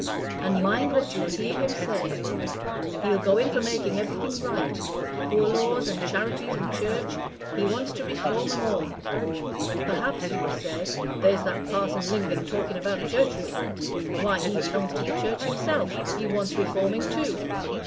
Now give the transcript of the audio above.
And mind what you'll hear him say; he'll go in for making everything right Poor laws and Charities and Church he wants to reform 'em all. Perhaps you'll say, 'There's that Parson Lingon talking about Church Reform why, he belongs to the Church himself he wants reforming too.'